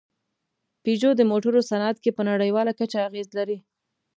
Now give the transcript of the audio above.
پيژو د موټرو صنعت کې په نړۍواله کچه اغېز لري.